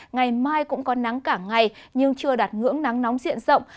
ngày mai cũng có nắng cả ngày nhưng chưa đạt ngưỡng nắng nóng diện rộng